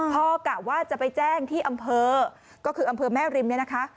พอกะว่าจะไปแจ้งที่อำเภอก็คืออำเภอแม่ริมเนี่ยนะคะ